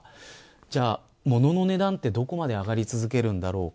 では物の値段はどこまで上がり続けるんだろうか。